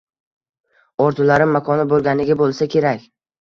Orzularim makoni boʻlganiga boʻlsa kerak.